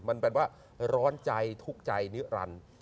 มันแปลว่าร้อนใจทุกข์ใจนิวรรณส์